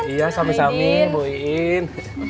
iya sami sami bu iin